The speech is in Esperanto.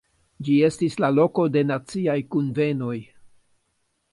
Ĝi estis la loko de naciaj kunvenoj.